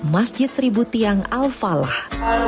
masjid seribu tiang al falah